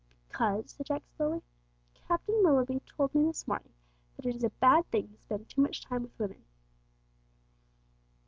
"Because," said Jack slowly, "Captain Willoughby told me this morning that it is a bad thing to spend too much time with women."